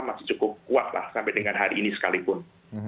masih cukup kuatlah sampai dengan hari ini sekalipun